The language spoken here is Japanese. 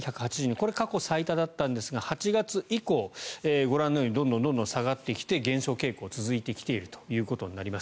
これ、過去最多だったんですが８月以降、ご覧のようにどんどん下がってきて減少傾向が続いてきていることになります。